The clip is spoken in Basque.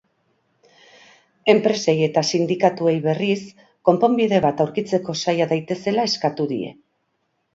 Enpresei eta sindikatuei berriz, konponbide bat aurkitzeko saia daitezela eskatu die.